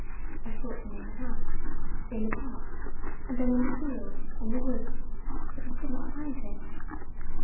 I sought him in the house, in the park, and then in the fields and the woods, but I could not find him.